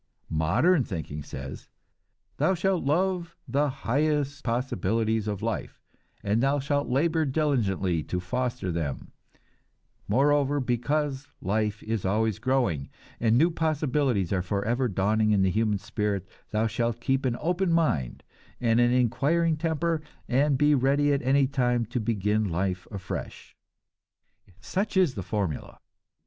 Modern thinking says: Thou shalt love the highest possibilities of life, and thou shalt labor diligently to foster them; moreover, because life is always growing, and new possibilities are forever dawning in the human spirit, thou shalt keep an open mind and an inquiring temper, and be ready at any time to begin life afresh. Such is the formula.